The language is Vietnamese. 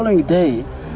đã đến đây